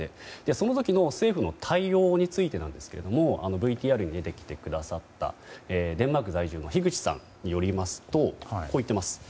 その時の政府の対応についてなんですがＶＴＲに出てきてくださったデンマーク在住の樋口さんによりますとこう言っています。